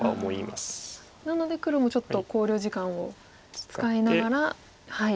なので黒もちょっと考慮時間を使いながら。